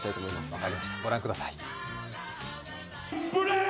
分かりましたご覧ください。